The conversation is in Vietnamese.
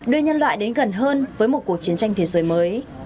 đưa nhân loại đến gần hơn với một cuộc chiến tranh thế giới mới